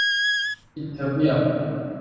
อิตเทอร์เบียม